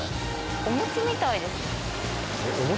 お餅みたいです。